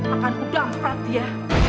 akan ku damprat dia